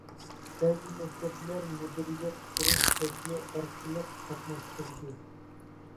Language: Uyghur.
بەزى مەكتەپلەر مۇدىرىيەت قۇرۇش شەكلى ئارقىلىق قاتناشتۇردى.